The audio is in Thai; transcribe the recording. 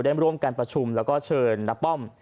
ได้ร่วมกันประชุมแล้วก็เชิญนักป้อม